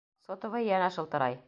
Сотовый йәнә шылтырай.